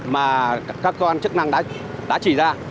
mà các con chức năng đã chỉ ra